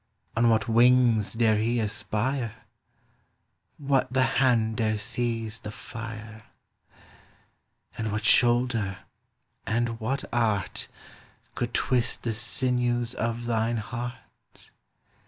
On what wings dare he aspire? What the hand dare seize the fire? And what shoulder, and what art. Could twist the sinews of thine heart?